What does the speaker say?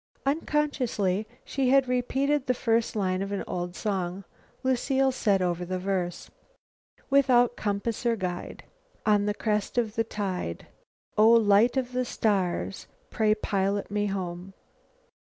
Unconsciously, she had repeated the first line of an old song. Lucile said over the verse: "Without compass or guide. On the crest of the tide. Oh! Light of the stars, Pray pilot me home."